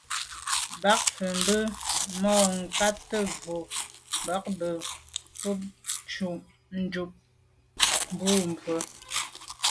Bə̌k fə̀ mbə́ má ngǎtə̀' bû bá bə̌ má kòb ncúp bú mbə̄.